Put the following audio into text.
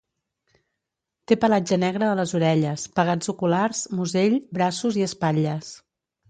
Té pelatge negre a les orelles, pegats oculars, musell, braços i espatlles.